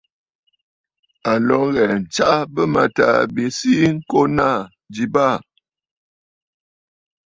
À lǒ ŋghɛ̀ɛ̀ ǹtsaʼa bɨ̂mâtaà bi sii ŋko naà ji baà.